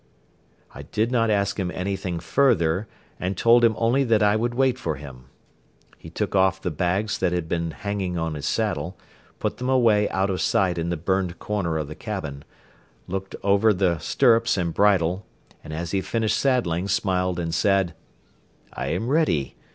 I did not ask him anything further and told him only that I would wait for him. He took off the bags that had been hanging on his saddle, put them away out of sight in the burned corner of the cabin, looked over the stirrups and bridle and, as he finished saddling, smiled and said: "I am ready.